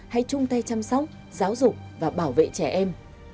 hay chung tay chăm sóc giáo dục và bảo vệ trẻ em